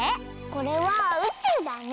これはうちゅうだね。